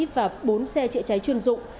và bốn xe chữa cháy chuyên dụng